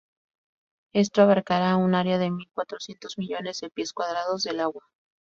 Esto abarcará un área de mil cuatrocientos millones de pies cuadrados del agua.